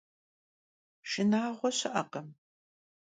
Şşınağue şı'ekhım.